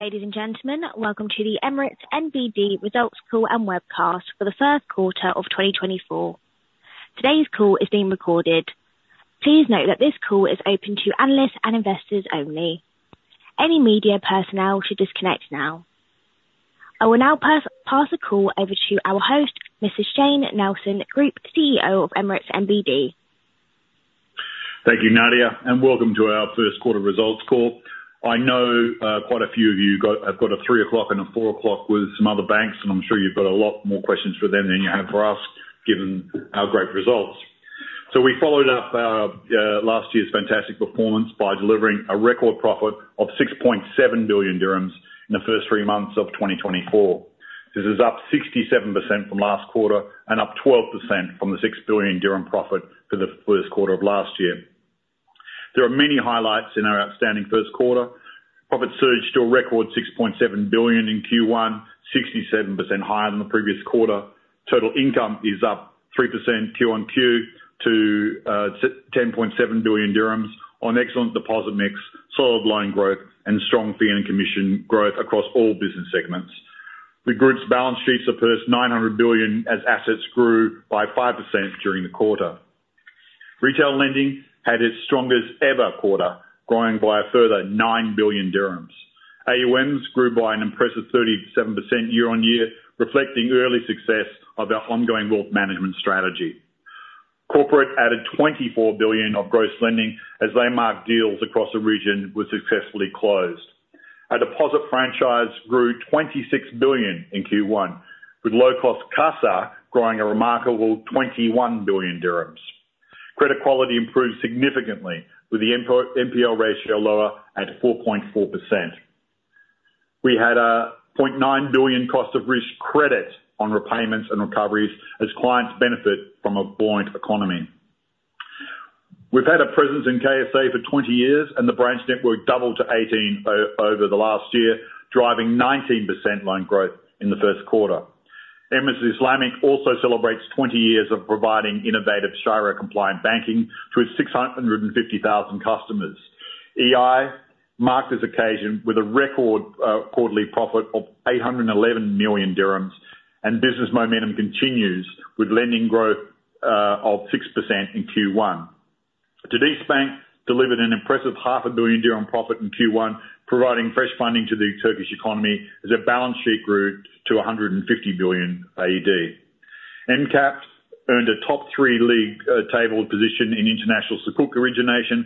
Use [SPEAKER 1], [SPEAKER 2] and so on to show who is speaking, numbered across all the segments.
[SPEAKER 1] Ladies and gentlemen, welcome to the Emirates NBD Results Call and Webcast for the first quarter of 2024. Today's call is being recorded. Please note that this call is open to analysts and investors only. Any media personnel should disconnect now. I will now pass the call over to our host, Mr. Shayne Nelson, Group CEO of Emirates NBD.
[SPEAKER 2] Thank you, Nadia, and welcome to our first quarter results call. I know quite a few of you have got a 3:00 P.M. and a 4:00 P.M. with some other banks, and I'm sure you've got a lot more questions for them than you have for us, given our great results. We followed up last year's fantastic performance by delivering a record profit of 6.7 billion dirhams in the first three months of 2024. This is up 67% from last quarter and up 12% from the 6 billion dirham profit for the first quarter of last year. There are many highlights in our outstanding first quarter. Profit surged to a record 6.7 billion in Q1, 67% higher than the previous quarter. Total income is up 3% Q-on-Q to 10.7 billion dirhams on excellent deposit mix, solid loan growth, and strong fee and commission growth across all business segments. The group's balance sheets surpassed 900 billion as assets grew by 5% during the quarter. Retail lending had its strongest-ever quarter, growing by a further 9 billion dirhams. AUMs grew by an impressive 37% year-on-year, reflecting early success of our ongoing wealth management strategy. Corporate added 24 billion of gross lending as they marked deals across the region were successfully closed. Our deposit franchise grew 26 billion in Q1, with low-cost CASA growing a remarkable 21 billion dirhams. Credit quality improved significantly, with the NPL ratio lower at 4.4%. We had a 0.9 billion cost of risk credit on repayments and recoveries as clients benefit from a buoyant economy. We've had a presence in KSA for 20 years, and the branch network doubled to 18 over the last year, driving 19% loan growth in the first quarter. Emirates Islamic also celebrates 20 years of providing innovative Shariah-compliant banking to its 650,000 customers. EI marked this occasion with a record quarterly profit of 811 million dirhams, and business momentum continues with lending growth of 6% in Q1. DenizBank delivered an impressive 500 million dirham profit in Q1, providing fresh funding to the Turkish economy as their balance sheet grew to 150 billion AED. MCAP earned a top-three league table position in international Sukuk origination,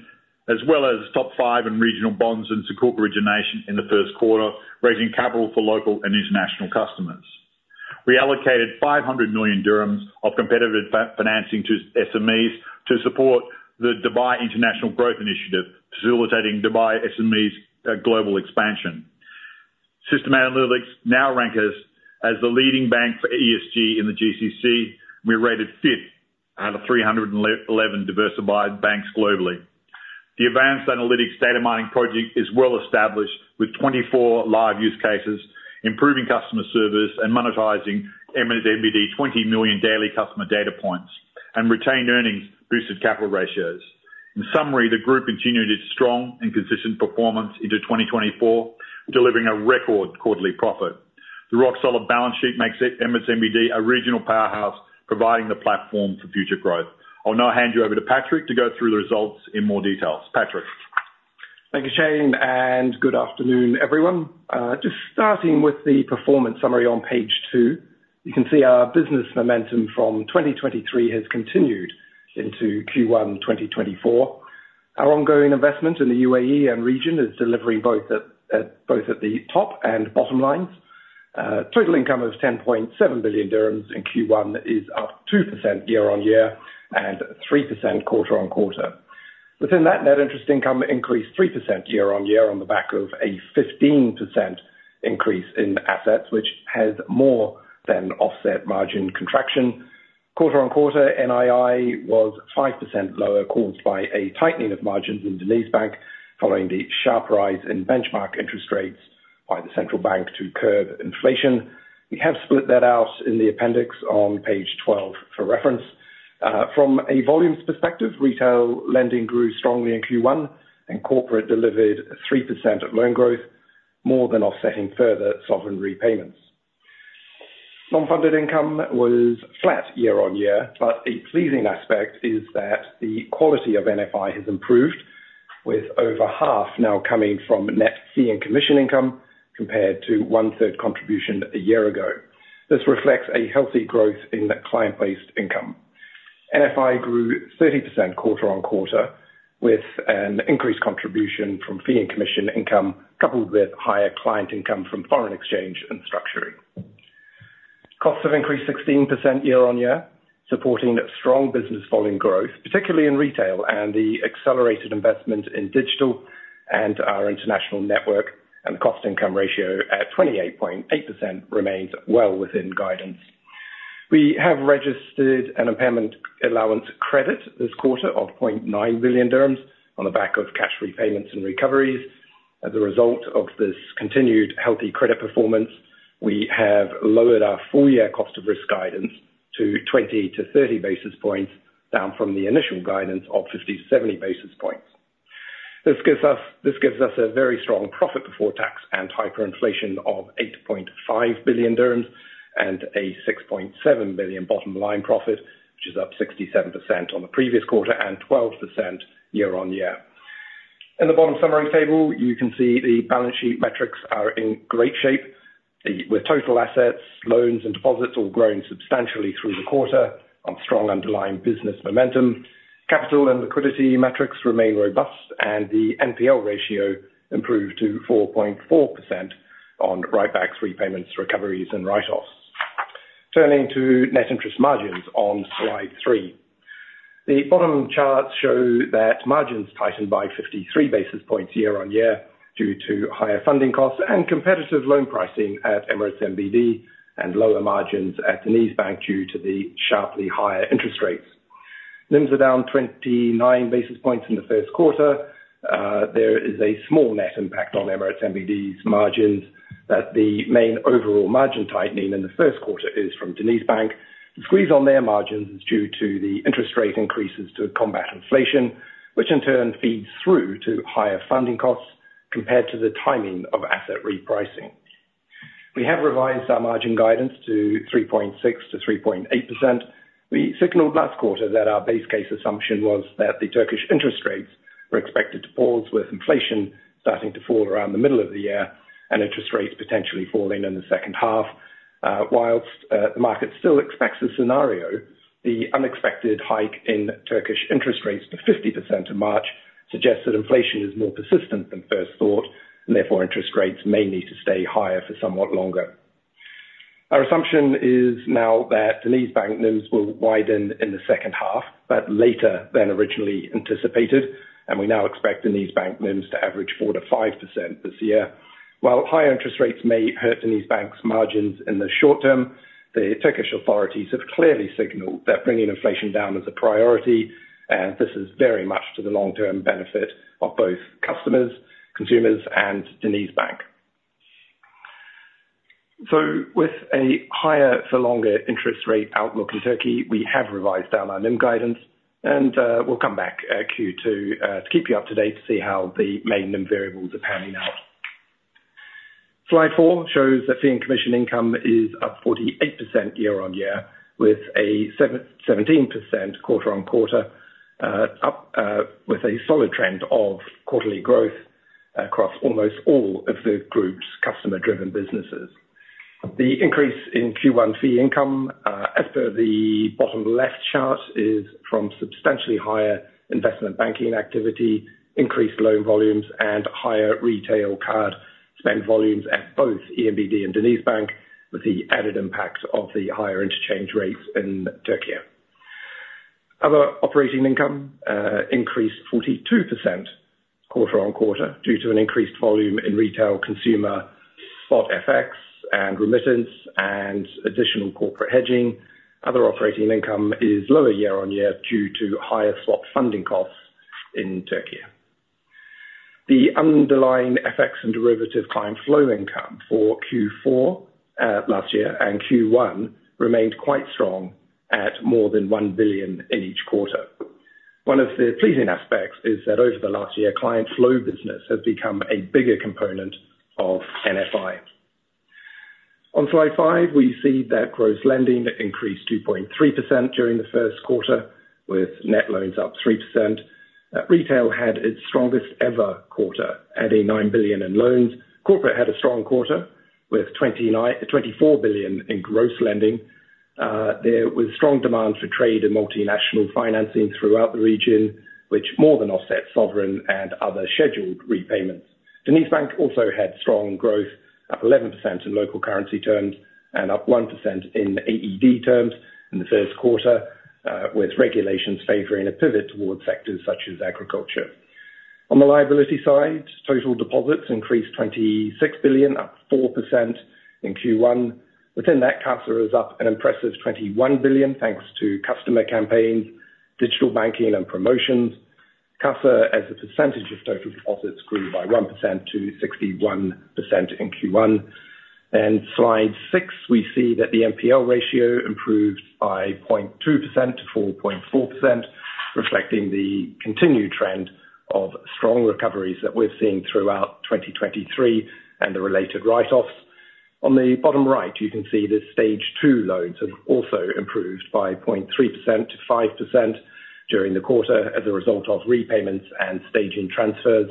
[SPEAKER 2] as well as top five in regional bonds and Sukuk origination in the first quarter, raising capital for local and international customers. We allocated 500 million dirhams of competitive financing to SMEs to support the Dubai International Growth Initiative, facilitating Dubai SMEs' global expansion. Sustainaalytics now rank us as the leading bank for ESG in the GCC. We're rated fifth out of 311 diversified banks globally. The Advanced Analytics Data Mining Project is well-established, with 24 live use cases improving customer service and monetizing Emirates NBD 20 million daily customer data points, and retained earnings boosted capital ratios. In summary, the group continued its strong and consistent performance into 2024, delivering a record quarterly profit. The rock-solid balance sheet makes Emirates NBD a regional powerhouse, providing the platform for future growth. I'll now hand you over to Patrick to go through the results in more details. Patrick.
[SPEAKER 3] Thank you, Shayne, and good afternoon, everyone. Just starting with the performance summary on page 2, you can see our business momentum from 2023 has continued into Q1 2024. Our ongoing investment in the UAE and region is delivering both at the top and bottom lines. Total income of 10.7 billion dirhams in Q1 is up 2% year-on-year and 3% quarter-on-quarter. Within that, net interest income increased 3% year-on-year on the back of a 15% increase in assets, which has more than offset margin contraction. quarter-on-quarter, NII was 5% lower, caused by a tightening of margins in DenizBank following the sharp rise in benchmark interest rates by the central bank to curb inflation. We have split that out in the appendix on page 12 for reference. From a volumes perspective, retail lending grew strongly in Q1, and corporate delivered 3% loan growth, more than offsetting further sovereign repayments. Non-funded income was flat year-on-year, but a pleasing aspect is that the quality of NFI has improved, with over half now coming from net fee and commission income compared to one-third contribution a year ago. This reflects a healthy growth in client-based income. NFI grew 30% quarter-on-quarter, with an increased contribution from fee and commission income coupled with higher client income from foreign exchange and structuring. Costs have increased 16% year-on-year, supporting strong business volume growth, particularly in retail, and the accelerated investment in digital and our international network, and the cost-income ratio at 28.8% remains well within guidance. We have registered an impairment allowance credit this quarter of 0.9 billion dirhams on the back of cash repayments and recoveries. As a result of this continued healthy credit performance, we have lowered our full-year cost of risk guidance to 20-30 basis points, down from the initial guidance of 50-70 basis points. This gives us a very strong profit before tax and hyperinflation of 8.5 billion dirhams and a 6.7 billion bottom line profit, which is up 67% on the previous quarter and 12% year-on-year. In the bottom summary table, you can see the balance sheet metrics are in great shape, with total assets, loans, and deposits all growing substantially through the quarter on strong underlying business momentum. Capital and liquidity metrics remain robust, and the NPL ratio improved to 4.4% on writebacks, repayments, recoveries, and write-offs. Turning to net interest margins on slide three, the bottom charts show that margins tightened by 53 basis points year-on-year due to higher funding costs and competitive loan pricing at Emirates NBD and lower margins at DenizBank due to the sharply higher interest rates. NIMs are down 29 basis points in the first quarter. There is a small net impact on Emirates NBD's margins that the main overall margin tightening in the first quarter is from DenizBank. The squeeze on their margins is due to the interest rate increases to combat inflation, which in turn feeds through to higher funding costs compared to the timing of asset repricing. We have revised our margin guidance to 3.6%-3.8%. We signaled last quarter that our base case assumption was that the Turkish interest rates were expected to pause, with inflation starting to fall around the middle of the year and interest rates potentially falling in the second half. While the market still expects this scenario, the unexpected hike in Turkish interest rates to 50% in March suggests that inflation is more persistent than first thought and therefore interest rates may need to stay higher for somewhat longer. Our assumption is now that DenizBank NIMs will widen in the second half but later than originally anticipated, and we now expect DenizBank NIMs to average 4%-5% this year. While higher interest rates may hurt DenizBank's margins in the short term, the Turkish authorities have clearly signaled that bringing inflation down is a priority, and this is very much to the long-term benefit of both customers, consumers, and DenizBank. So with a higher-for-longer interest rate outlook in Turkey, we have revised down our NIM guidance, and we'll come back at Q2 to keep you up to date to see how the main NIM variables are panning out. Slide 4 shows that fee and commission income is up 48% year on year, with a 17% quarter on quarter, up with a solid trend of quarterly growth across almost all of the group's customer-driven businesses. The increase in Q1 fee income, as per the bottom left chart, is from substantially higher investment banking activity, increased loan volumes, and higher retail card spend volumes at both Emirates NBD and DenizBank, with the added impact of the higher interchange rates in Turkey. Other operating income increased 42% quarter-on-quarter due to an increased volume in retail consumer spot FX and remittance and additional corporate hedging. Other operating income is lower year-on-year due to higher swap funding costs in Turkey. The underlying FX and derivative client flow income for Q4 last year and Q1 remained quite strong at more than 1 billion in each quarter. One of the pleasing aspects is that over the last year, client flow business has become a bigger component of NFI. On slide 5, we see that gross lending increased 2.3% during the first quarter, with net loans up 3%. Retail had its strongest-ever quarter, adding 9 billion in loans. Corporate had a strong quarter, with 24 billion in gross lending. There was strong demand for trade and multinational financing throughout the region, which more than offset sovereign and other scheduled repayments. DenizBank also had strong growth, up 11% in local currency terms and up 1% in AED terms in the first quarter, with regulations favoring a pivot towards sectors such as agriculture. On the liability side, total deposits increased 26 billion, up 4% in Q1. Within that, CASA is up an impressive 21 billion thanks to customer campaigns, digital banking, and promotions. CASA, as a percentage of total deposits, grew by 1% to 61% in Q1. Slide six, we see that the NPL ratio improved by 0.2% to 4.4%, reflecting the continued trend of strong recoveries that we're seeing throughout 2023 and the related write-offs. On the bottom right, you can see the Stage Two loans have also improved by 0.3%-5% during the quarter as a result of repayments and staging transfers.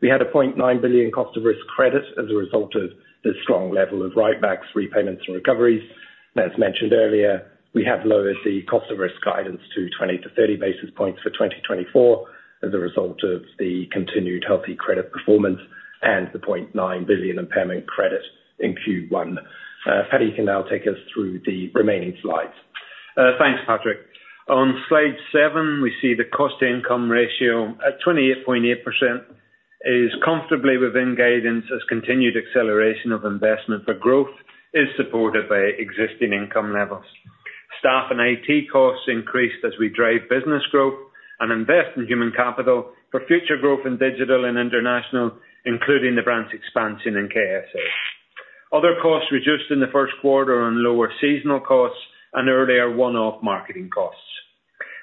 [SPEAKER 3] We had an 0.9 billion cost of risk credit as a result of the strong level of writebacks, repayments, and recoveries. As mentioned earlier, we have lowered the cost of risk guidance to 20-30 basis points for 2024 as a result of the continued healthy credit performance and the 0.9 billion impairment credit in Q1. Paddy can now take us through the remaining slides.
[SPEAKER 4] Thanks, Patrick. On slide seven, we see the cost-to-income ratio at 28.8% is comfortably within guidance as continued acceleration of investment for growth is supported by existing income levels. Staff and IT costs increased as we drive business growth and invest in human capital for future growth in digital and international, including the branch expansion in KSA. Other costs reduced in the first quarter are lower seasonal costs and earlier one-off marketing costs.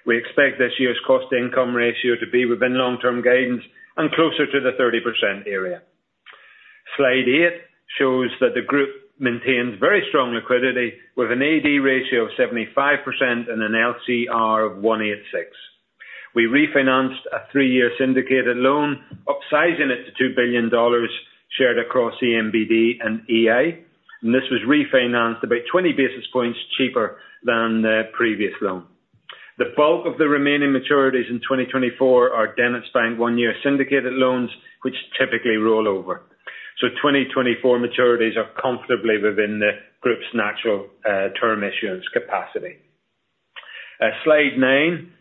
[SPEAKER 4] We expect this year's cost-to-income ratio to be within long-term guidance and closer to the 30% area. Slide eight shows that the group maintains very strong liquidity with an AD ratio of 75% and an LCR of 186. We refinanced a three-year syndicated loan, upsizing it to $2 billion shared across Emirates NBD and EI, and this was refinanced about 20 basis points cheaper than the previous loan. The bulk of the remaining maturities in 2024 are DenizBank one-year syndicated loans, which typically roll over. So 2024 maturities are comfortably within the group's natural term issuance capacity. Slide 9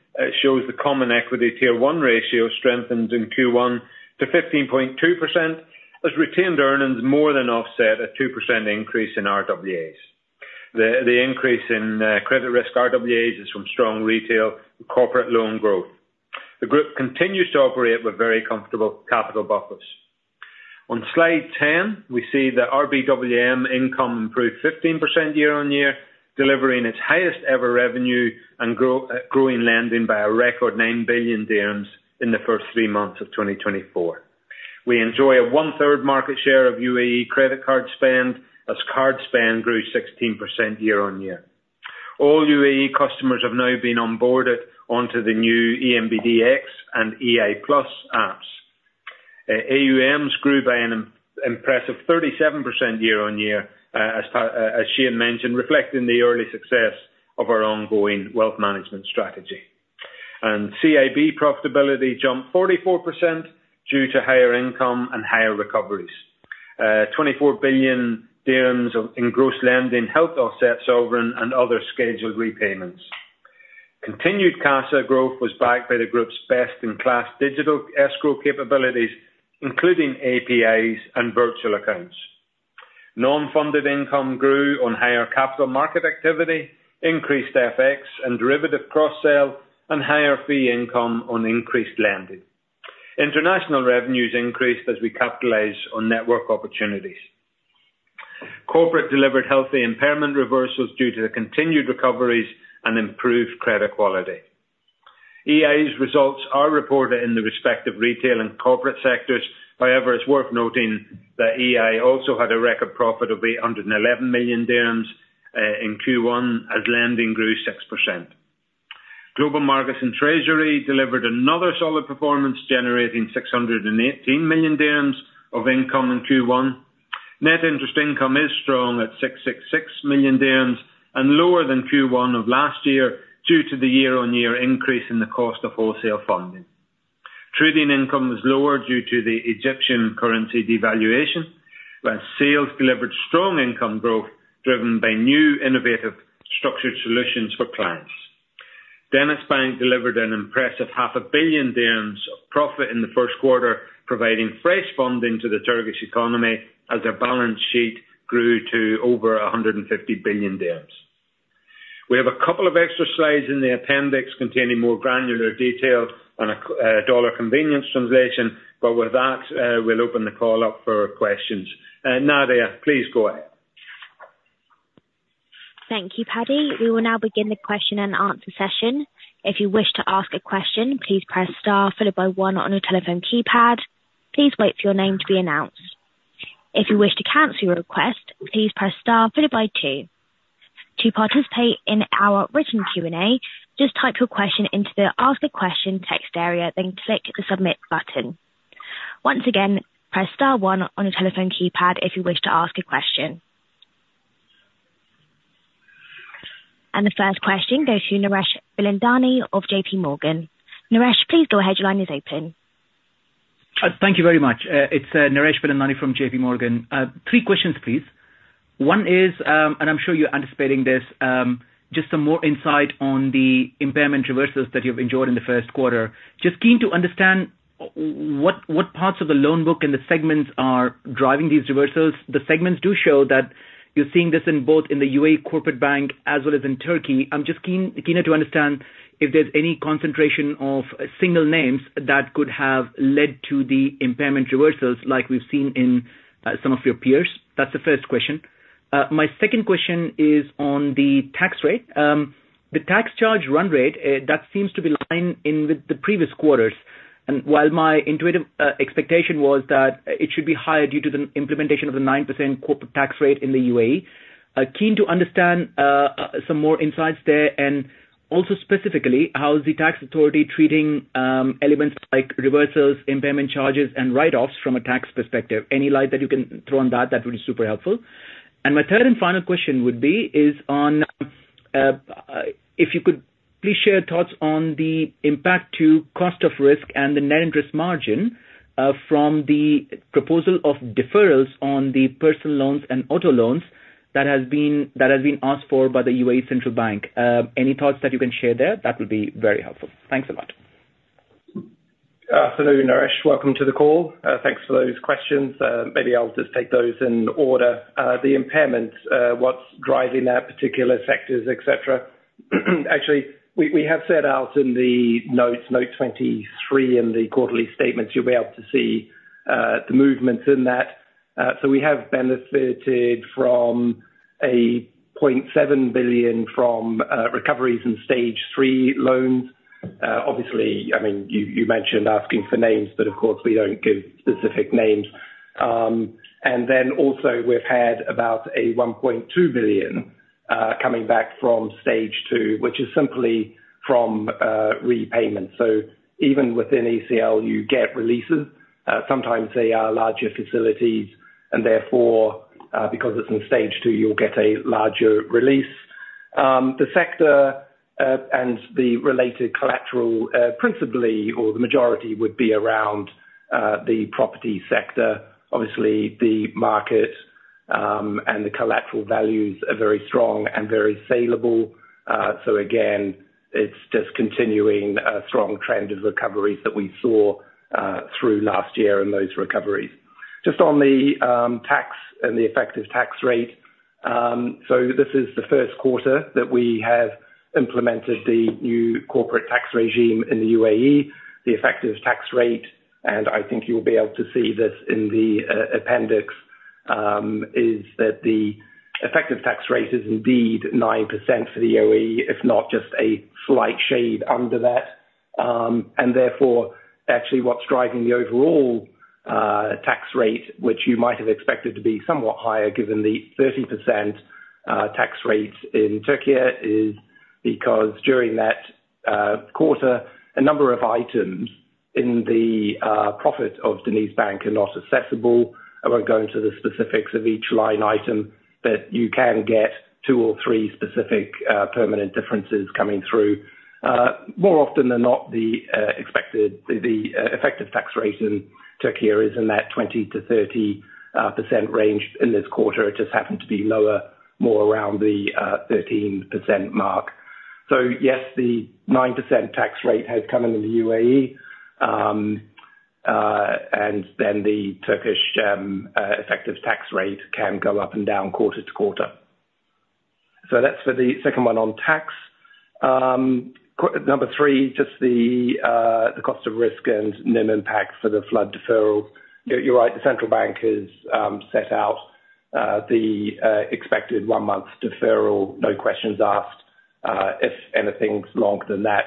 [SPEAKER 4] shows the Common Equity Tier 1 ratio strengthened in Q1 to 15.2% as retained earnings more than offset a 2% increase in RWAs. The increase in credit risk RWAs is from strong retail corporate loan growth. The group continues to operate with very comfortable capital buffers. On Slide 10, we see that RBWM income improved 15% year-over-year, delivering its highest-ever revenue and growing lending by a record 9 billion dirhams in the first three months of 2024. We enjoy a 1/3 market share of UAE credit card spend as card spend grew 16% year-over-year. All UAE customers have now been onboarded onto the new ENBD X and EI Plus apps. AUMs grew by an impressive 37% year-on-year, as Shayne mentioned, reflecting the early success of our ongoing wealth management strategy. CIB profitability jumped 44% due to higher income and higher recoveries. 24 billion dirhams in gross lending helped offset sovereign and other scheduled repayments. Continued CASA growth was backed by the group's best-in-class digital escrow capabilities, including APIs and virtual accounts. Non-funded income grew on higher capital market activity, increased FX and derivative cross-sale, and higher fee income on increased lending. International revenues increased as we capitalized on network opportunities. Corporate delivered healthy impairment reversals due to the continued recoveries and improved credit quality. EI's results are reported in the respective retail and corporate sectors. However, it's worth noting that EI also had a record profit of 811 million dirhams in Q1 as lending grew 6%. Global Markets and Treasury delivered another solid performance, generating 618 million dirhams of income in Q1. Net interest income is strong at 666 million dirhams and lower than Q1 of last year due to the year-on-year increase in the cost of wholesale funding. Trading income was lower due to the Egyptian currency devaluation, whereas sales delivered strong income growth driven by new innovative structured solutions for clients. DenizBank delivered an impressive 500 million dirhams of profit in the first quarter, providing fresh funding to the Turkish economy as their balance sheet grew to over 150 billion dirhams. We have a couple of extra slides in the appendix containing more granular detail and a dollar convenience translation, but with that, we'll open the call up for questions. Nadia, please go ahead.
[SPEAKER 1] Thank you, Paddy. We will now begin the question and answer session. If you wish to ask a question, please press star followed by one on your telephone keypad. Please wait for your name to be announced. If you wish to cancel your request, please press star followed by two. To participate in our written Q&A, just type your question into the Ask a Question text area, then click the Submit button. Once again, press star one on your telephone keypad if you wish to ask a question. The first question goes to Naresh Bilandani of JP Morgan. Naresh, please go ahead. Your line is open.
[SPEAKER 5] Thank you very much. It's Naresh Bilandani from JP Morgan. Three questions, please. One is, and I'm sure you're anticipating this, just some more insight on the impairment reversals that you've enjoyed in the first quarter. Just keen to understand what parts of the loan book and the segments are driving these reversals. The segments do show that you're seeing this both in the UAE corporate bank as well as in Turkey. I'm just keener to understand if there's any concentration of single names that could have led to the impairment reversals like we've seen in some of your peers. That's the first question. My second question is on the tax rate. The tax charge run rate, that seems to be in line with the previous quarters. And while my intuitive expectation was that it should be higher due to the implementation of the 9% corporate tax rate in the UAE, keen to understand some more insights there and also specifically how is the tax authority treating elements like reversals, impairment charges, and write-offs from a tax perspective? Any light that you can throw on that, that would be super helpful. My third and final question would be is on if you could please share thoughts on the impact to cost of risk and the net interest margin from the proposal of deferrals on the personal loans and auto loans that has been asked for by the UAE Central Bank? Any thoughts that you can share there, that would be very helpful. Thanks a lot.
[SPEAKER 3] Hello, Naresh. Welcome to the call. Thanks for those questions. Maybe I'll just take those in order. The impairments, what's driving that particular sectors, etc.? Actually, we have set out in the notes, note 23 in the quarterly statements, you'll be able to see the movements in that. So we have benefited from 0.7 billion from recoveries in stage three loans. Obviously, I mean, you mentioned asking for names, but of course, we don't give specific names. And then also, we've had about 1.2 billion coming back from stage two, which is simply from repayments. So even within ECL, you get releases. Sometimes they are larger facilities, and therefore, because it's in stage two, you'll get a larger release. The sector and the related collateral principally or the majority would be around the property sector. Obviously, the market and the collateral values are very strong and very saleable. So again, it's just continuing a strong trend of recoveries that we saw through last year in those recoveries. Just on the tax and the effective tax rate. So this is the first quarter that we have implemented the new corporate tax regime in the UAE. The effective tax rate, and I think you'll be able to see this in the appendix, is that the effective tax rate is indeed 9% for the UAE, if not just a slight shade under that. And therefore, actually, what's driving the overall tax rate, which you might have expected to be somewhat higher given the 30% tax rate in Turkey, is because during that quarter, a number of items in the profit of DenizBank are not accessible. I won't go into the specifics of each line item, but you can get two or three specific permanent differences coming through. More often than not, the effective tax rate in Turkey is in that 20%-30% range in this quarter. It just happened to be lower, more around the 13% mark. So yes, the 9% tax rate has come in in the UAE, and then the Turkish effective tax rate can go up and down quarter to quarter. So that's for the second one on tax. Number 3, just the cost of risk and NIM impact for the flood deferrals. You're right. The central bank has set out the expected 1-month deferral, no questions asked. If anything's longer than that,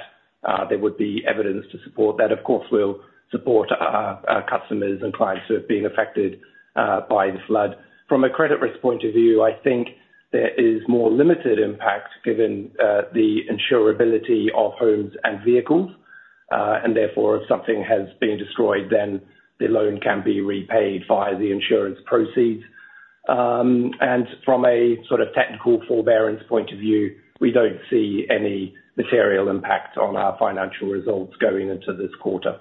[SPEAKER 3] there would be evidence to support that. Of course, we'll support our customers and clients who have been affected by the flood. From a credit risk point of view, I think there is more limited impact given the insurability of homes and vehicles. Therefore, if something has been destroyed, then the loan can be repaid via the insurance proceeds. From a sort of technical forbearance point of view, we don't see any material impact on our financial results going into this quarter.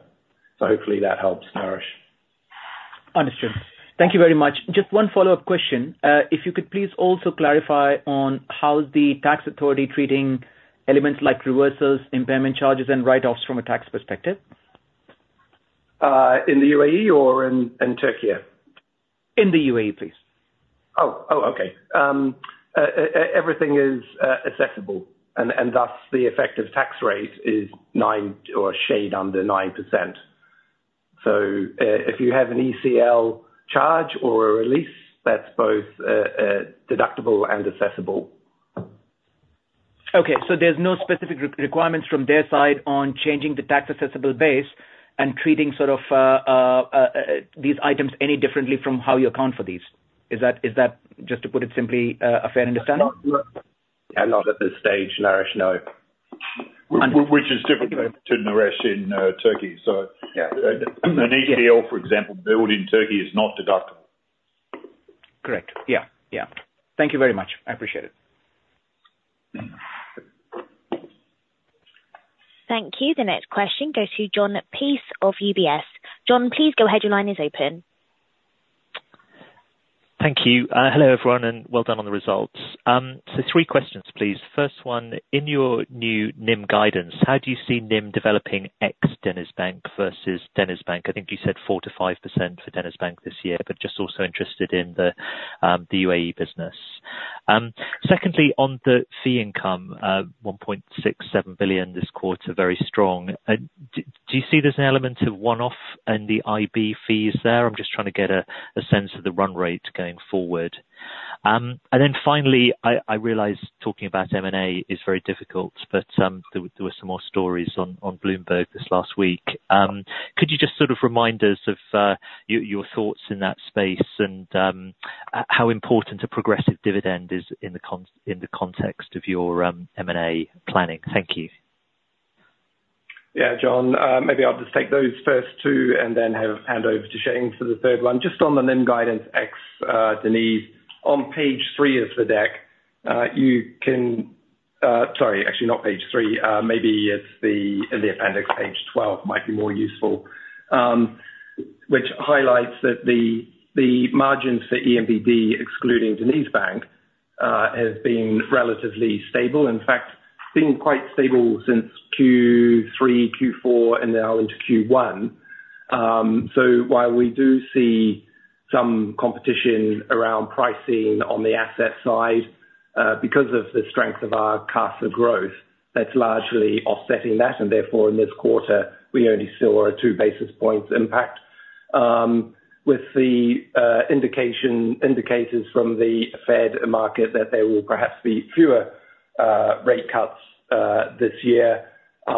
[SPEAKER 3] So hopefully, that helps, Naresh.
[SPEAKER 5] Understood. Thank you very much. Just one follow-up question. If you could please also clarify on how is the tax authority treating elements like reversals, impairment charges, and write-offs from a tax perspective?
[SPEAKER 3] In the UAE or in Turkey?
[SPEAKER 5] In the UAE, please.
[SPEAKER 3] Everything is accessible, and thus the effective tax rate is 9% or a shade under 9%. So if you have an ECL charge or a release, that's both deductible and accessible.
[SPEAKER 5] Okay. So there's no specific requirements from their side on changing the tax accessible base and treating sort of these items any differently from how you account for these? Is that, just to put it simply, a fair understanding?
[SPEAKER 3] Not at this stage, Naresh, no. Which is different to Naresh in Turkey. So an ECL, for example, billed in Turkey is not deductible.
[SPEAKER 5] Correct. Yeah, yeah. Thank you very much. I appreciate it.
[SPEAKER 1] Thank you. The next question goes to Jon Peace of UBS. Jon, please go ahead. Your line is open.
[SPEAKER 6] Thank you. Hello, everyone, and well done on the results. So three questions, please. First one, in your new NIM guidance, how do you see NIM developing ex-DenizBank versus DenizBank? I think you said 4%-5% for DenizBank this year, but just also interested in the UAE business. Secondly, on the fee income, 1.67 billion this quarter, very strong. Do you see there's an element of one-off and the IB fees there? I'm just trying to get a sense of the run rate going forward. And then finally, I realize talking about M&A is very difficult, but there were some more stories on Bloomberg this last week. Could you just sort of remind us of your thoughts in that space and how important a progressive dividend is in the context of your M&A planning? Thank you.
[SPEAKER 3] Yeah, John. Maybe I'll just take those first two and then hand over to Shayne for the third one. Just on the NIM guidance ex-DenizBank, on page 3 of the deck, you can—sorry, actually, not page 3. Maybe it's in the appendix, page 12 might be more useful, which highlights that the margins for ENBD excluding DenizBank have been relatively stable. In fact, been quite stable since Q3, Q4, and now into Q1. So while we do see some competition around pricing on the asset side because of the strength of our CASA growth, that's largely offsetting that. And therefore, in this quarter, we only saw a 2 basis points impact with the indicators from the Fed market that there will perhaps be fewer rate cuts this year. I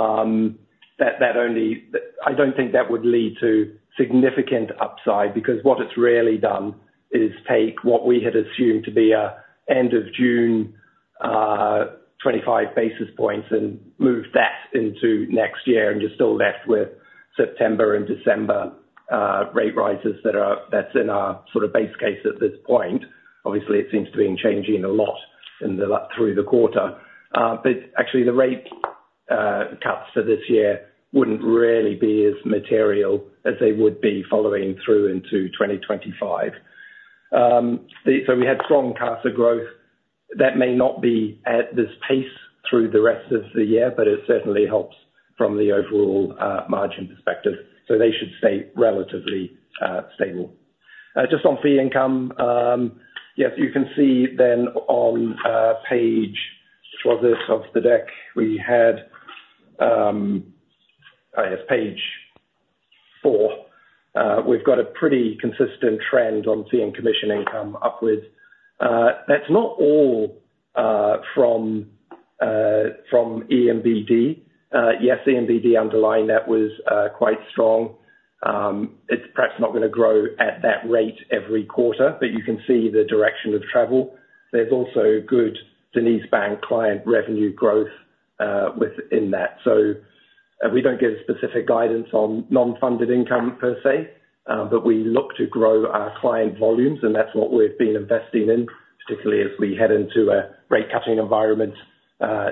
[SPEAKER 3] don't think that would lead to significant upside because what it's really done is take what we had assumed to be an end of June 25 basis points and move that into next year and you're still left with September and December rate rises that's in our sort of base case at this point. Obviously, it seems to be changing a lot through the quarter. But actually, the rate cuts for this year wouldn't really be as material as they would be following through into 2025. So we had strong CASA growth. That may not be at this pace through the rest of the year, but it certainly helps from the overall margin perspective. So they should stay relatively stable. Just on fee income, yes, you can see then on page which was it of the deck? We had, I guess, page 4. We've got a pretty consistent trend on fee and commission income upwards. That's not all from Emirates NBD. Yes, Emirates NBD, that was quite strong. It's perhaps not going to grow at that rate every quarter, but you can see the direction of travel. There's also good DenizBank client revenue growth within that. So we don't give specific guidance on non-funded income per se, but we look to grow our client volumes, and that's what we've been investing in, particularly as we head into a rate-cutting environment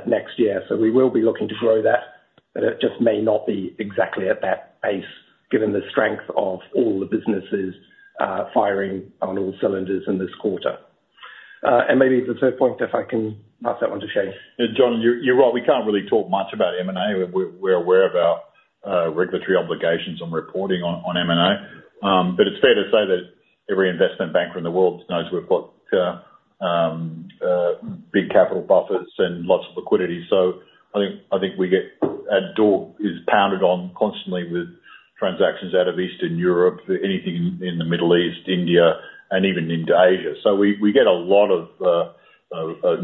[SPEAKER 3] next year. So we will be looking to grow that, but it just may not be exactly at that pace given the strength of all the businesses firing on all cylinders in this quarter. And maybe the third point, if I can pass that one to Shayne.
[SPEAKER 2] John, you're right. We can't really talk much about M&A. We're aware of our regulatory obligations on reporting on M&A. But it's fair to say that every investment banker in the world knows we've got big capital buffers and lots of liquidity. So I think our door is pounded on constantly with transactions out of Eastern Europe, anything in the Middle East, India, and even into Asia. So we get a lot of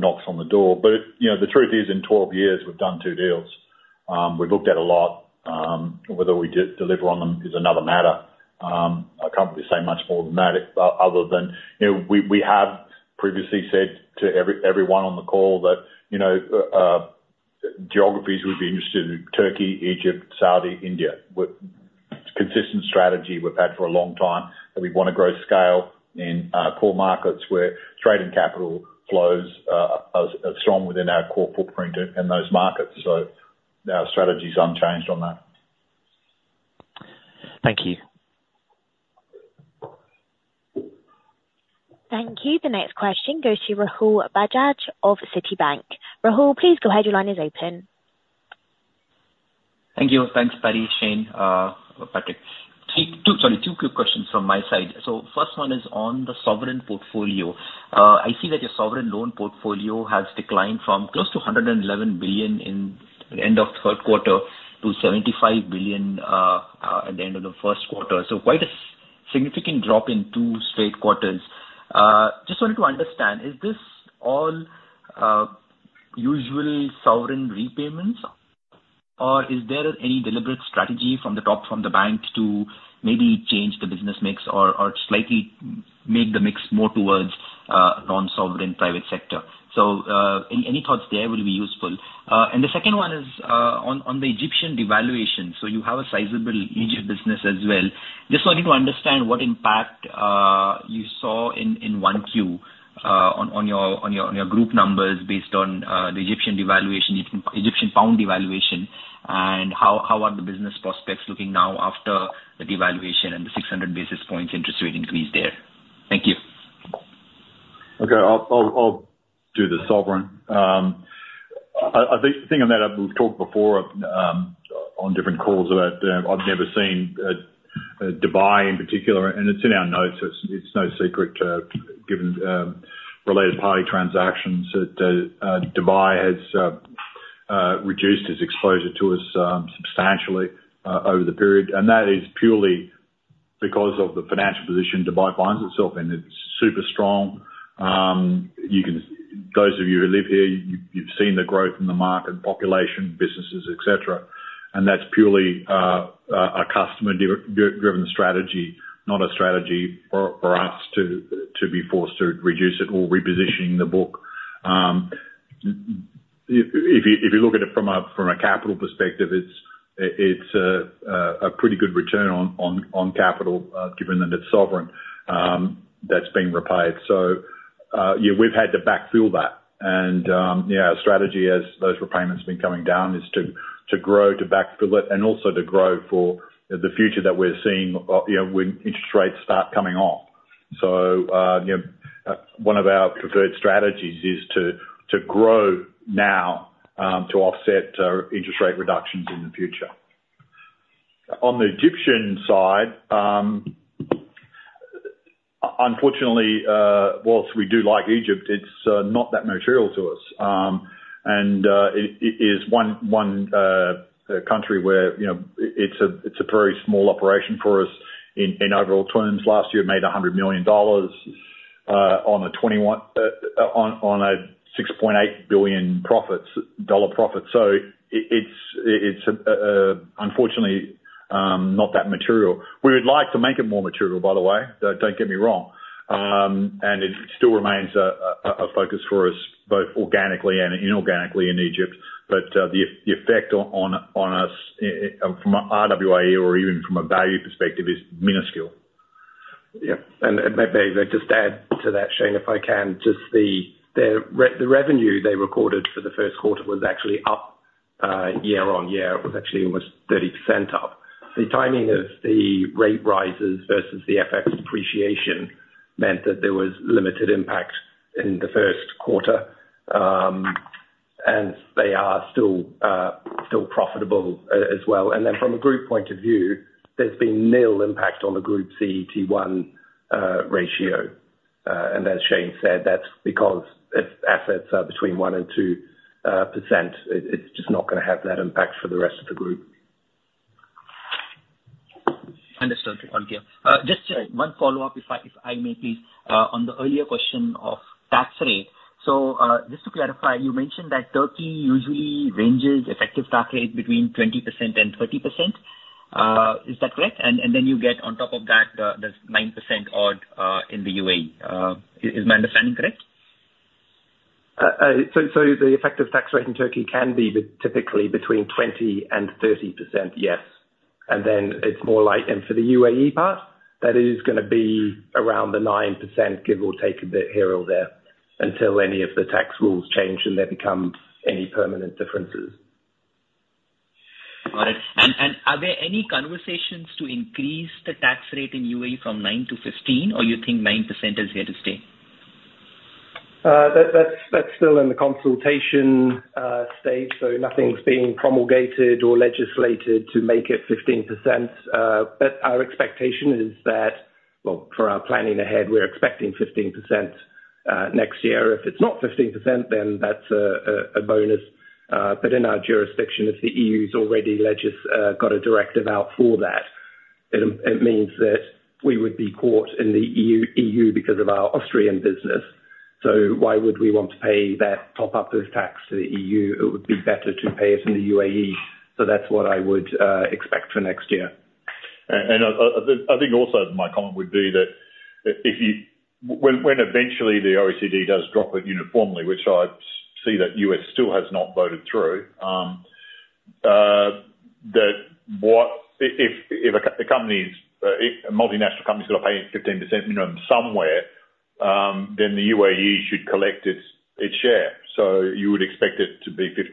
[SPEAKER 2] knocks on the door. But the truth is, in 12 years, we've done 2 deals. We've looked at a lot. Whether we deliver on them is another matter. I can't really say much more than that other than we have previously said to everyone on the call that geographies we'd be interested in: Turkey, Egypt, Saudi, India. It's a consistent strategy we've had for a long time that we want to grow scale in core markets where trading capital flows are strong within our core footprint in those markets. Our strategy's unchanged on that.
[SPEAKER 6] Thank you.
[SPEAKER 1] Thank you. The next question goes to Rahul Bajaj of Citibank. Rahul, please go ahead. Your line is open.
[SPEAKER 7] Thank you. Thanks, Paddy, Shayne, Patrick. Sorry, two quick questions from my side. So first one is on the sovereign portfolio. I see that your sovereign loan portfolio has declined from close to 111 billion at the end of third quarter to 75 billion at the end of the first quarter. So quite a significant drop in two straight quarters. Just wanted to understand, is this all usual sovereign repayments, or is there any deliberate strategy from the top from the bank to maybe change the business mix or slightly make the mix more towards non-sovereign private sector? So any thoughts there will be useful. And the second one is on the Egyptian devaluation. So you have a sizable Egypt business as well. Just wanted to understand what impact you saw in 1Q on your group numbers based on the Egyptian pound devaluation and how are the business prospects looking now after the devaluation and the 600 basis points interest rate increase there? Thank you.
[SPEAKER 2] Okay. I'll do the sovereign. The thing on that, we've talked before on different calls about. I've never seen Dubai in particular, and it's in our notes. It's no secret given related party transactions that Dubai has reduced its exposure to us substantially over the period. That is purely because of the financial position Dubai finds itself in. It's super strong. Those of you who live here, you've seen the growth in the market, population, businesses, etc. That's purely a customer-driven strategy, not a strategy for us to be forced to reduce it or repositioning the book. If you look at it from a capital perspective, it's a pretty good return on capital given that it's sovereign that's been repaid. Yeah, we've had to backfill that. Yeah, our strategy, as those repayments have been coming down, is to grow, to backfill it, and also to grow for the future that we're seeing when interest rates start coming off. So one of our preferred strategies is to grow now to offset interest rate reductions in the future. On the Egyptian side, unfortunately, while we do like Egypt, it's not that material to us. And it is one country where it's a very small operation for us in overall terms. Last year, it made $100 million on a $6.8 billion profit. So it's, unfortunately, not that material. We would like to make it more material, by the way. Don't get me wrong. And it still remains a focus for us both organically and inorganically in Egypt. But the effect on us from RWA or even from a value perspective is minuscule.
[SPEAKER 3] Yeah. And maybe just add to that, Shayne, if I can, just the revenue they recorded for the first quarter was actually up year-on-year. It was actually almost 30% up. The timing of the rate rises versus the FX depreciation meant that there was limited impact in the first quarter, and they are still profitable as well. And then from a group point of view, there's been nil impact on the group CET1 ratio. And as Shayne said, that's because if assets are between 1%-2%, it's just not going to have that impact for the rest of the group.
[SPEAKER 7] Understood, ok. Just one follow-up, if I may, please, on the earlier question of tax rate. So just to clarify, you mentioned that Turkey usually ranges effective tax rate between 20%-30%. Is that correct? Then you get, on top of that, the 9% odd in the UAE. Is my understanding correct?
[SPEAKER 3] The effective tax rate in Turkey can be typically between 20%-30%, yes. Then it's more like for the UAE part, that is going to be around the 9%, give or take a bit here or there until any of the tax rules change and there become any permanent differences.
[SPEAKER 7] Got it. Are there any conversations to increase the tax rate in UAE from 9 to 15, or you think 9% is here to stay?
[SPEAKER 3] That's still in the consultation stage. Nothing's being promulgated or legislated to make it 15%. But our expectation is that well, for our planning ahead, we're expecting 15% next year. If it's not 15%, then that's a bonus. But in our jurisdiction, if the EU's already got a directive out for that, it means that we would be caught in the EU because of our Austrian business. So why would we want to pay that top-up of tax to the EU? It would be better to pay it in the UAE. So that's what I would expect for next year.
[SPEAKER 2] And I think also my comment would be that when eventually the OECD does drop it uniformly, which I see that the U.S. still has not voted through, that if a multinational company's got to pay 15% minimum somewhere, then the UAE should collect its share. So you would expect it to be 15%.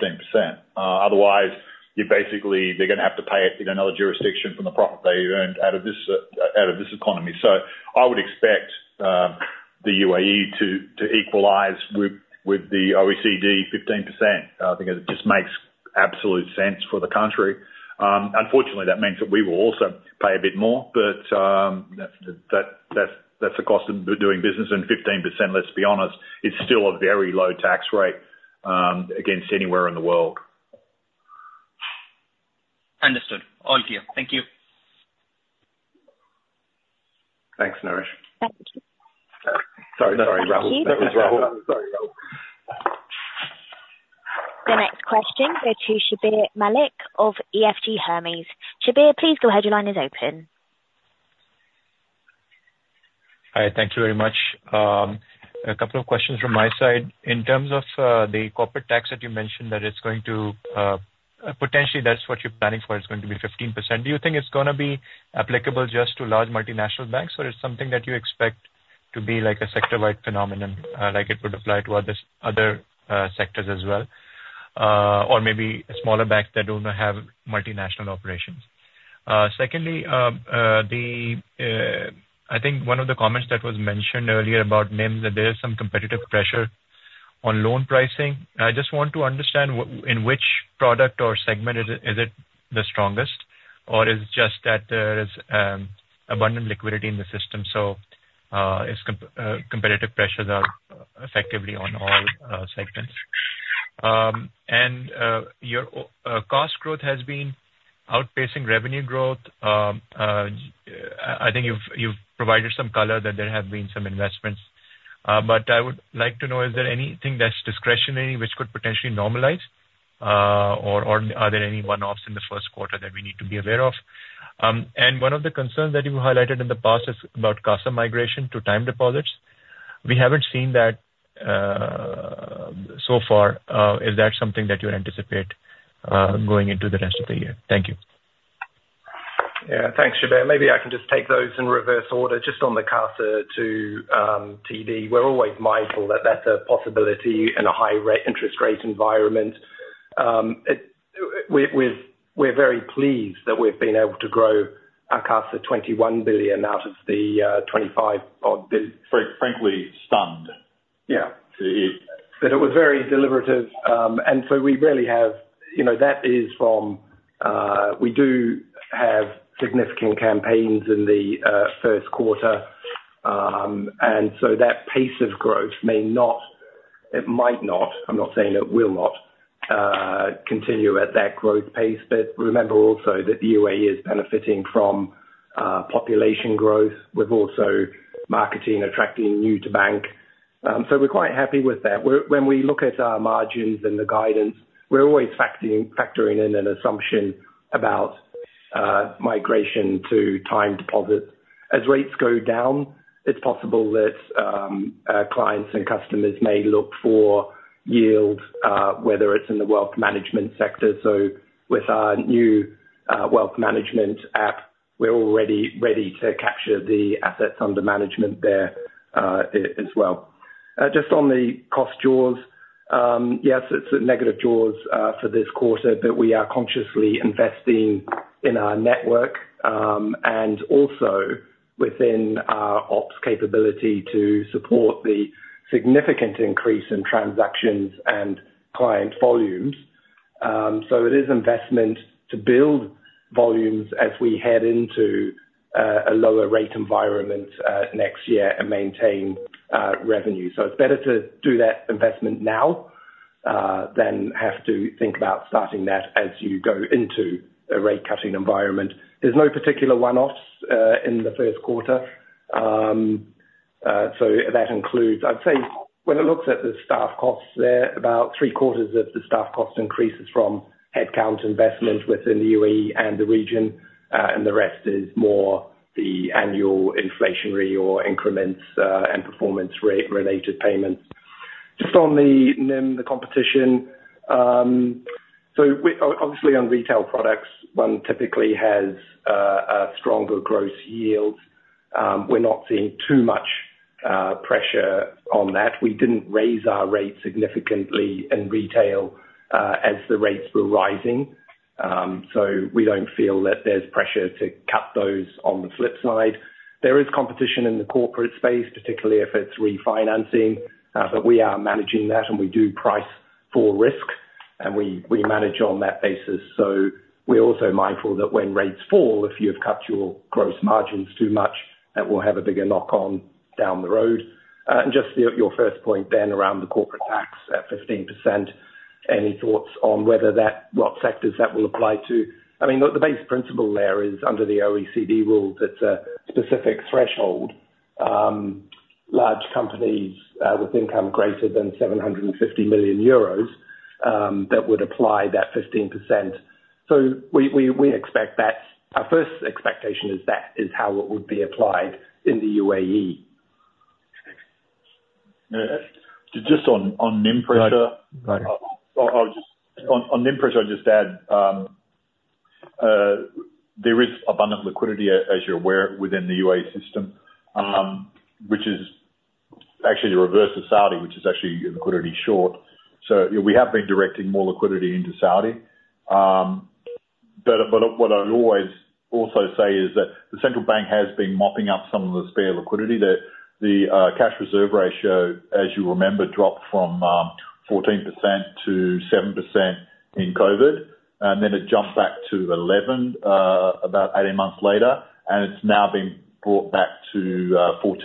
[SPEAKER 2] Otherwise, they're going to have to pay it in another jurisdiction from the profit they earned out of this economy. So I would expect the UAE to equalize with the OECD 15%. I think it just makes absolute sense for the country. Unfortunately, that means that we will also pay a bit more. But that's the cost of doing business. And 15%, let's be honest, is still a very low tax rate against anywhere in the world.
[SPEAKER 8] Unde rstood. ok, thank you.
[SPEAKER 2] Thanks, Naresh.
[SPEAKER 7] Thank you.
[SPEAKER 2] Sorry, Rahul. That was Rahul. Sorry, Rahul.
[SPEAKER 1] The next question goes to Shabbir Malik of EFG Hermes. Shabbir, please go ahead. Your line is open.
[SPEAKER 8] Hi. Thank you very much. A couple of questions from my side. In terms of the corporate tax that you mentioned that it's going to potentially, that's what you're planning for, it's going to be 15%. Do you think it's going to be applicable just to large multinational banks, or is it something that you expect to be a sector-wide phenomenon like it would apply to other sectors as well or maybe smaller banks that don't have multinational operations? Secondly, I think one of the comments that was mentioned earlier about NIMs, that there is some competitive pressure on loan pricing. I just want to understand in which product or segment is it the strongest, or is it just that there is abundant liquidity in the system so competitive pressures are effectively on all segments? And your cost growth has been outpacing revenue growth.
[SPEAKER 9] I think you've provided some color that there have been some investments. But I would like to know, is there anything that's discretionary which could potentially normalize, or are there any one-offs in the first quarter that we need to be aware of? One of the concerns that you highlighted in the past is about CASA migration to time deposits. We haven't seen that so far. Is that something that you anticipate going into the rest of the year? Thank you.
[SPEAKER 3] Yeah. Thanks, Shabbir. Maybe I can just take those in reverse order just on the CASA to TD. We're always mindful that that's a possibility in a high-interest-rate environment. We're very pleased that we've been able to grow our CASA 21 billion out of the 25 billion. Frankly, stunned. Yeah. But it was very deliberative. And so we really have that is from we do have significant campaigns in the first quarter. And so that pace of growth may not it might not. I'm not saying it will not continue at that growth pace. But remember also that the UAE is benefiting from population growth with also marketing attracting new-to-bank. So we're quite happy with that. When we look at our margins and the guidance, we're always factoring in an assumption about migration to time deposits. As rates go down, it's possible that clients and customers may look for yield, whether it's in the wealth management sector. So with our new wealth management app, we're already ready to capture the assets under management there as well. Just on the cost draws, yes, it's a negative draw for this quarter, but we are consciously investing in our network and also within our ops capability to support the significant increase in transactions and client volumes. So it is investment to build volumes as we head into a lower-rate environment next year and maintain revenue. So it's better to do that investment now than have to think about starting that as you go into a rate-cutting environment. There's no particular one-offs in the first quarter. So that includes, I'd say, when it looks at the staff costs there, about three-quarters of the staff cost increases from headcount investment within the UAE and the region. The rest is more the annual inflationary or increments and performance-related payments. Just on the NIMs, the competition, so obviously, on retail products, one typically has a stronger gross yield. We're not seeing too much pressure on that. We didn't raise our rates significantly in retail as the rates were rising. So we don't feel that there's pressure to cut those on the flip side. There is competition in the corporate space, particularly if it's refinancing. But we are managing that, and we do price for risk, and we manage on that basis. So we're also mindful that when rates fall, if you have cut your gross margins too much, that will have a bigger knock-on down the road. And just your first point then around the corporate tax at 15%, any thoughts on what sectors that will apply to? I mean, the base principle there is under the OECD rule, that's a specific threshold. Large companies with income greater than 750 million euros that would apply that 15%. So we expect that our first expectation is that is how it would be applied in the UAE.
[SPEAKER 2] Just on NIMs pressure. On NIMs pressure, I'll just add there is abundant liquidity, as you're aware, within the UAE system, which is actually the reverse of Saudi, which is actually liquidity short. So we have been directing more liquidity into Saudi. But what I always also say is that the central bank has been mopping up some of the spare liquidity. The cash reserve ratio, as you remember, dropped from 14%-7% in COVID. And then it jumped back to 11 about 18 months later, and it's now been brought back to 14%.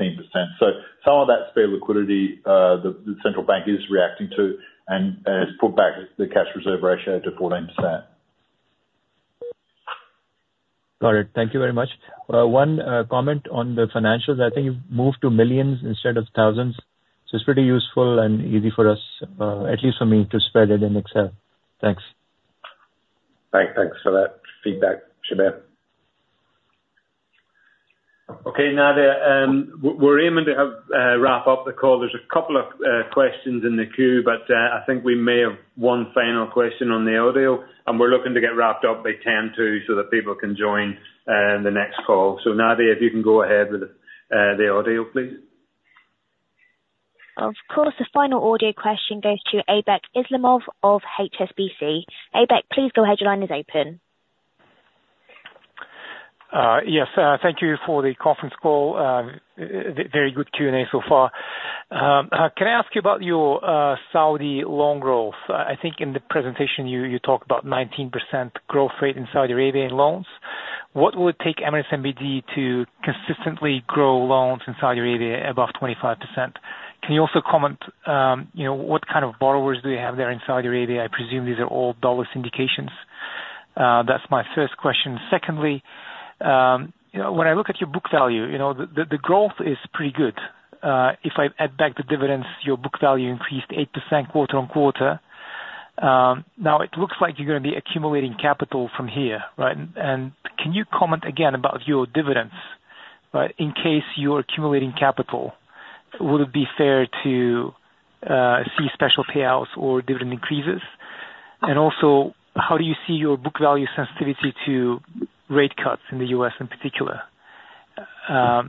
[SPEAKER 2] So some of that spare liquidity, the central bank is reacting to and has put back the cash reserve ratio to 14%.
[SPEAKER 9] Got it. Thank you very much. One comment on the financials. I think you've moved to millions instead of thousands. So it's pretty useful and easy for us, at least for me, to spread it in Excel. Thanks.
[SPEAKER 3] Thanks for that feedback, Shabbir. Okay, Nadia. We're aiming to wrap up the call. There's a couple of questions in the queue, but I think we may have one final question on the audio. We're looking to get wrapped up by 10:02 so that people can join the next call. Nadia, if you can go ahead with the audio, please.
[SPEAKER 1] Of course. The final audio question goes to Aybek Islamov of HSBC. Aybek, please go ahead. Your line is open.
[SPEAKER 10] Yes. Thank you for the conference call. Very good Q&A so far. Can I ask you about your Saudi loan growth? I think in the presentation, you talked about 19% growth rate in Saudi Arabia in loans. What would it take Emirates NBD to consistently grow loans in Saudi Arabia above 25%? Can you also comment what kind of borrowers do you have there in Saudi Arabia? I presume these are all dollars indications. That's my first question. Secondly, when I look at your book value, the growth is pretty good. If I add back the dividends, your book value increased 8% quarter-on-quarter. Now, it looks like you're going to be accumulating capital from here, right? And can you comment again about your dividends, right, in case you're accumulating capital? Would it be fair to see special payouts or dividend increases? Also, how do you see your book value sensitivity to rate cuts in the U.S. in particular?
[SPEAKER 2] I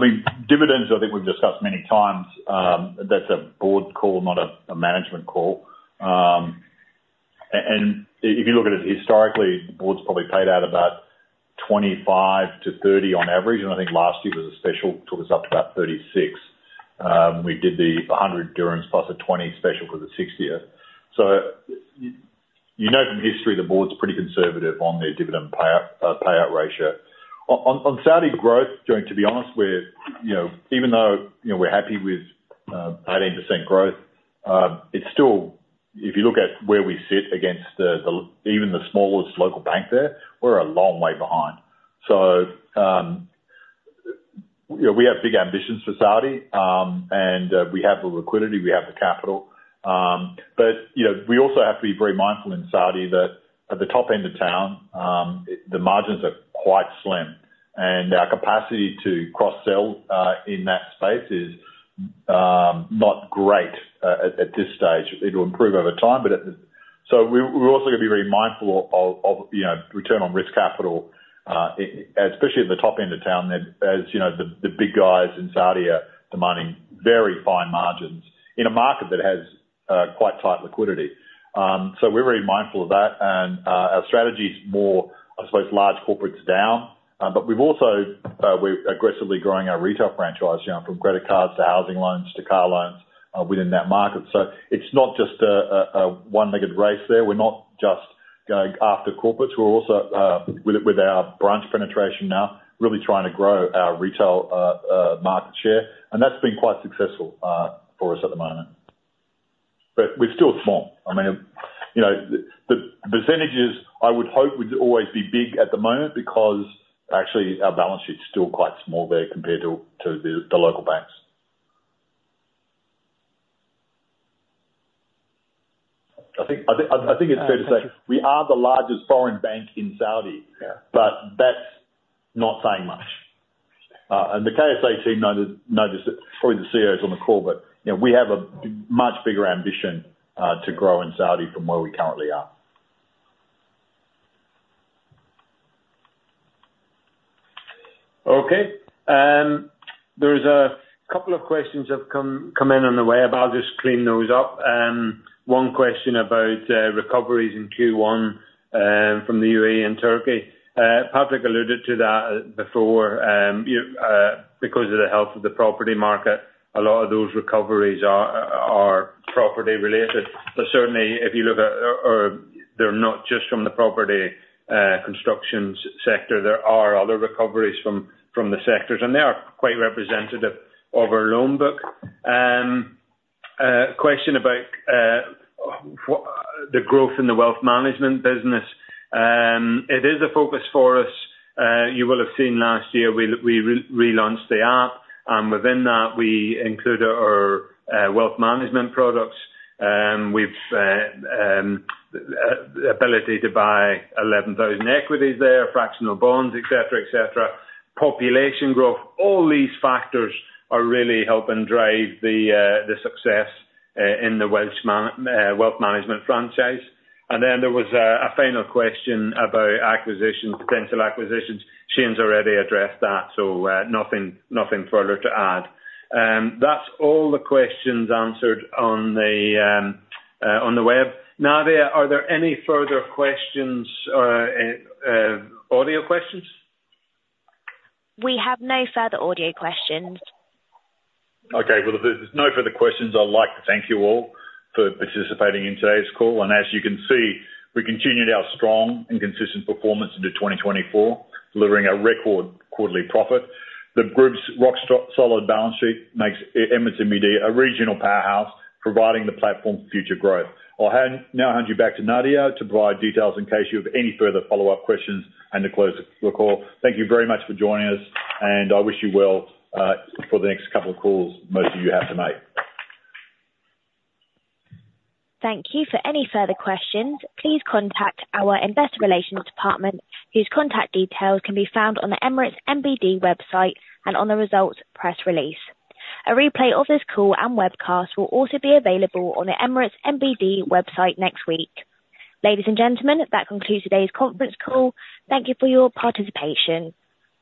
[SPEAKER 2] mean, dividends, I think we've discussed many times. That's a board call, not a management call. If you look at it historically, the board's probably paid out about 25%-30% on average. I think last year was a special. It took us up to about 36%. We did the 100 dirhams plus a 20 special for the 60th. You know from history, the board's pretty conservative on their dividend payout ratio. On Saudi growth, to be honest, even though we're happy with 18% growth, if you look at where we sit against even the smallest local bank there, we're a long way behind. We have big ambitions for Saudi, and we have the liquidity. We have the capital. We also have to be very mindful in Saudi that at the top end of town, the margins are quite slim. Our capacity to cross-sell in that space is not great at this stage. It'll improve over time. So we're also going to be very mindful of return on risk capital, especially at the top end of town, as the big guys in Saudi are demanding very fine margins in a market that has quite tight liquidity. So we're very mindful of that. And our strategy's more, I suppose, large corporates down. But we're aggressively growing our retail franchise from credit cards to housing loans to car loans within that market. So it's not just a one-legged race there. We're not just going after corporates. We're also, with our branch penetration now, really trying to grow our retail market share. And that's been quite successful for us at the moment. But we're still small. I mean, the percentages, I would hope would always be big at the moment because actually, our balance sheet's still quite small there compared to the local banks. I think it's fair to say we are the largest foreign bank in Saudi, but that's not saying much. And the KSA team noticed it. Probably the CEO's on the call, but we have a much bigger ambition to grow in Saudi from where we currently are.
[SPEAKER 3] Okay. There's a couple of questions that have come in on the way, but I'll just clean those up. One question about recoveries in Q1 from the UAE and Turkey. Patrick alluded to that before. Because of the health of the property market, a lot of those recoveries are property-related. But certainly, if you look at or they're not just from the property construction sector. There are other recoveries from the sectors, and they are quite representative of our loan book. Question about the growth in the wealth management business. It is a focus for us. You will have seen last year, we relaunched the app. And within that, we include our wealth management products. We've the ability to buy 11,000 equities there, fractional bonds, etc., etc. Population growth. All these factors are really helping drive the success in the wealth management franchise. There was a final question about acquisitions, potential acquisitions. Shayne's already addressed that, so nothing further to add. That's all the questions answered on the web. Nadia, are there any further questions or audio questions?
[SPEAKER 1] We have no further audio questions.
[SPEAKER 2] Okay. Well, if there's no further questions, I'd like to thank you all for participating in today's call. As you can see, we continued our strong and consistent performance into 2024, delivering a record quarterly profit. The group's rock-solid balance sheet makes Emirates NBD a regional powerhouse, providing the platform for future growth. I'll now hand you back to Nadia to provide details in case you have any further follow-up questions and to close the call. Thank you very much for joining us, and I wish you well for the next couple of calls most of you have to make.
[SPEAKER 1] Thank you. For any further questions, please contact our Investor Relations Department, whose contact details can be found on the Emirates NBD website and on the results press release. A replay of this call and webcast will also be available on the Emirates NBD website next week. Ladies and gentlemen, that concludes today's conference call. Thank you for your participation.